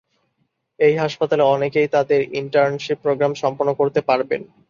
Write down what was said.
এই হাসপাতালে অনেকেই তাদের ইন্টার্নশিপ প্রোগ্রাম সম্পন্ন করতে পারবেন।